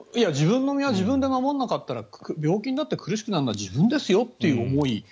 自分の身は自分で守らなかったら病気になって苦しくなるのは自分ですよという思い。